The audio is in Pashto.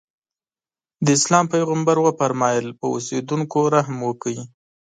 د اسلام پیغمبر وفرمایل په اوسېدونکو رحم وکړئ.